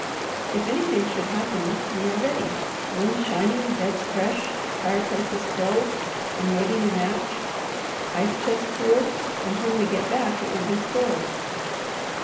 If anything should happen, we are ready, rooms shining, beds fresh, fireplaces filled and waiting a match, ice chest cool, and when we get back it will be stored.